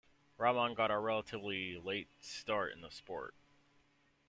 Rahman got a relatively late start in the sport.